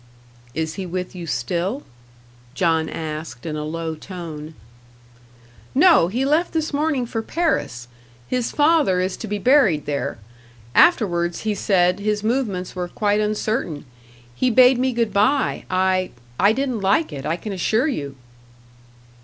"Is he with you still?" John asked in a low tone. "No; he left this morning for Paris; his father is to be buried there. Afterwards, he said, his movements were quite uncertain. He bade me good bye I I didn't like it, I can assure you."